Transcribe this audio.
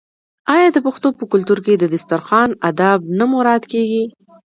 آیا د پښتنو په کلتور کې د دسترخان اداب نه مراعات کیږي؟